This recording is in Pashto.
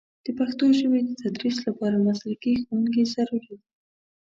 د پښتو ژبې د تدریس لپاره مسلکي ښوونکي ضروري دي.